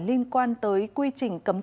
liên quan tới quy trình cấm tuyển